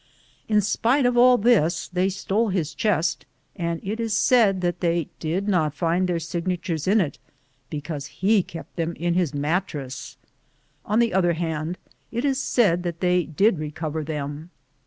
In spite of all this, they stole his chest, and it is said that they 121 an, Google TBE JOURNEY OP COBONADO did not find their signatures in it, because he kept them in his mattress; on the other hand, it is said that they did recover them.